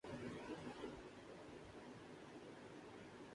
ہم آج شام کو ملیں گے